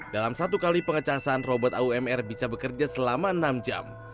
dalam satu kali pengecasan robot aumr bisa bekerja selama enam jam